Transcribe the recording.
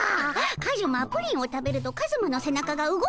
カズマプリンを食べるとカズマの背中が動くでおじゃる。